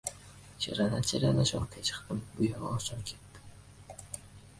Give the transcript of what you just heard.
Chirana-chirana shoxga chiqdim. U yog‘i oson ketdi.